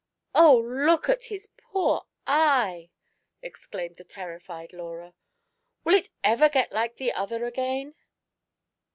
"Oh, look at his poor eye!" exclaimed the terrified Laura ;" will it ever get like the other again